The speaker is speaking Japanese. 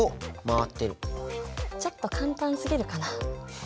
ちょっと簡単すぎるかな？